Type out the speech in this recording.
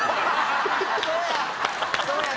そうや！